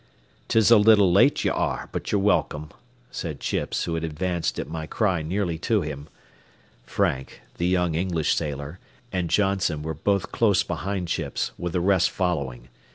"'Tis a little late ye are, but ye're welcome," said Chips, who had advanced at my cry nearly to him. Frank, the young English sailor, and Johnson were both close behind Chins, with the rest following.